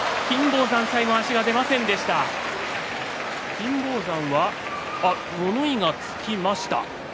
金峰山は物言いがつきました。